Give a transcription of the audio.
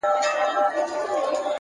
هره پوښتنه د کشف نوی سفر دی,